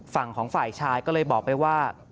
ฝั่งของฝ่ายชายก็เลยบอกไปว่า